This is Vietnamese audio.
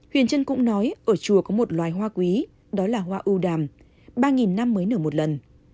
huyền trân cũng nói ở chùa có một loài hoa quý đó là hoa ưu đàm ba năm mới nở một lần